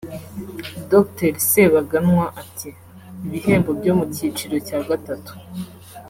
Dr Sebaganwa ati “Ibihembo byo mu cyiciro cya gatatu